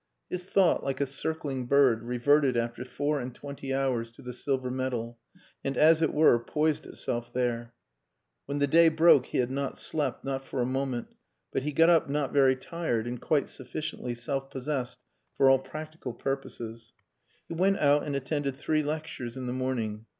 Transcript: His thought like a circling bird reverted after four and twenty hours to the silver medal, and as it were poised itself there. When the day broke he had not slept, not for a moment, but he got up not very tired and quite sufficiently self possessed for all practical purposes. He went out and attended three lectures in the morning.